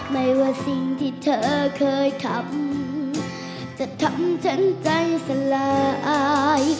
ไม่ว่าสิ่งที่เธอเคยทำจะทำฉันใจสลายอาย